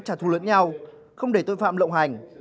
trả thu lưỡn nhau không để tội phạm lộng hành